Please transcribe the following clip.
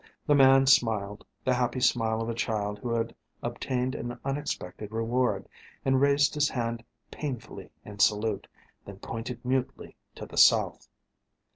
The man smiled, the happy smile of a child that had obtained an unexpected reward, and raised his hand painfully in salute, then pointed mutely to the south.